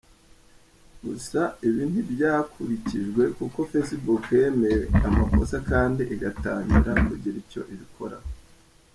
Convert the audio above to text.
Gusa ibi ntibyakurikijwe kuko Facebook yemeye amakosa kandi igatangira kugira icyo ibikoraho.